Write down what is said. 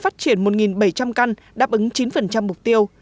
truyền một bảy trăm linh căn đáp ứng chín mục tiêu